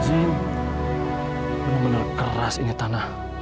ini benar benar keras ini tanah